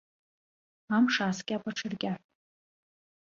Амш ааскьап аҽыркьаҳә.